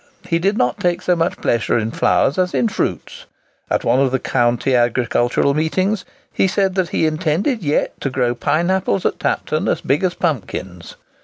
He did not take so much pleasure in flowers as in fruits. At one of the county agricultural meetings, he said that he intended yet to grow pineapples at Tapton as big as pumpkins.